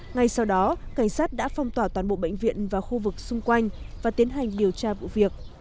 ngay sau đó cảnh sát đã phong tỏa toàn bộ bệnh viện và khu vực xung quanh và tiến hành điều tra vụ việc